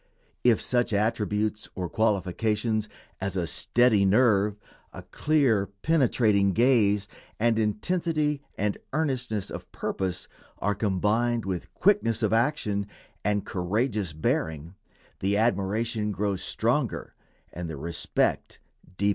If such attributes or qualifications as a steady nerve, a clear, penetrating gaze, and intensity and earnestness of purpose, are combined with quickness of action and courageous bearing, the admiration grows stronger and the respect deeper.